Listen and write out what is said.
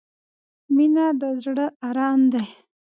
• مینه د زړۀ ارام دی.